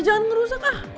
jangan merusak ah